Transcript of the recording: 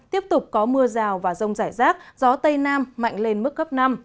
tiếp tục có mưa rào và rông rải rác gió tây nam mạnh lên mức cấp năm